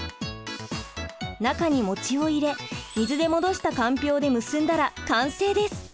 中にもちを入れ水で戻したかんぴょうで結んだら完成です。